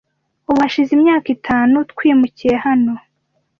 Ubu hashize imyaka itanu twimukiye hano.